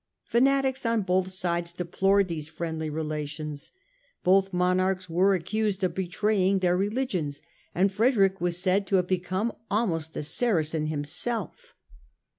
Fanatics on both sides deplored these friendly relations. Both monarchs were accused of betraying their religions and Frederick was said to have become almost a Saracen himself.